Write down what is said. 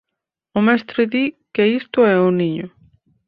O mestre di que isto é o niño